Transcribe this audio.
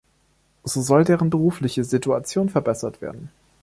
So soll deren berufliche Situation verbessert werden.